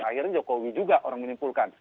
akhirnya jokowi juga orang menyimpulkan